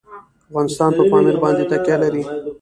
افغانستان په پامیر باندې تکیه لري.